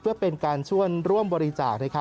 เพื่อเป็นการชวนร่วมบริจาค